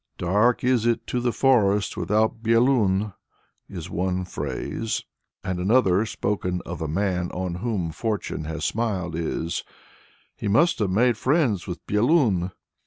"Dark is it in the forest without Byelun" is one phrase; and another, spoken of a man on whom fortune has smiled, is, "He must have made friends with Byelun."